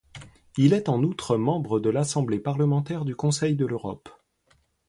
Il est en outre membre de l'Assemblée parlementaire du Conseil de l'Europe.